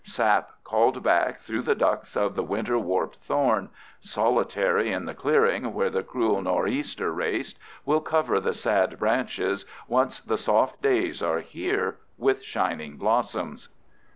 Sap called back through the ducts of the winter warped thorn, solitary in the clearing where the cruel nor'easter raced, will cover the sad branches, once the soft days are here, with shining blossoms.